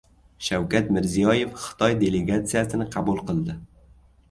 Shavkat Mirziyoyev Xitoy delegatsiyasini qabul qildi